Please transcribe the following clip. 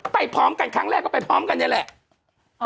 พร้อมกันครั้งแรกก็ไปพร้อมกันนี่แหละ